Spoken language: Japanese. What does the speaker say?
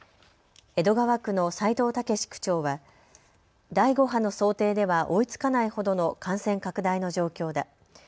江戸川区の斉藤猛区長は第５波の想定では追いつかないほどの感染拡大の状況だ。